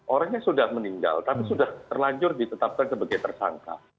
orangnya sudah meninggal tapi sudah terlanjur ditetapkan sebagai tersangka